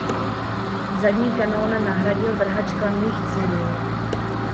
Zadní kanón nahradil vrhač klamných cílů.